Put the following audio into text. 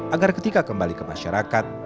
agar ketika kembali ke masyarakat